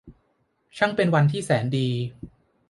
ช่างเป็นวันที่แสนดี !